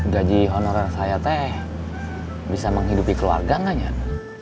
gaji honorer saya teh bisa menghidupi keluarga gak nyan